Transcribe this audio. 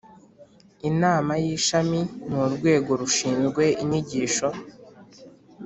Inama y ishami ni rwo rwego rushinzwe inyigisho